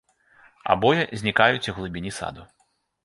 Абое знікаюць у глыбіні саду.